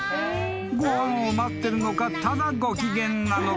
［ご飯を待ってるのかただご機嫌なのか？］